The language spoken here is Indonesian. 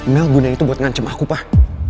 mel guna itu buat ngancem aku pak